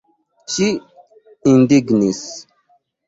Ŝi indignis.